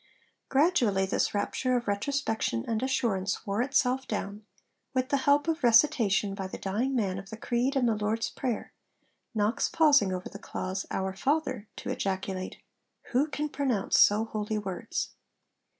Gradually this rapture of retrospection and assurance wore itself down, with the help of recitation by the dying man of the Creed and the Lord's Prayer Knox pausing over the clause 'Our Father,' to ejaculate, 'Who can pronounce so holy words?'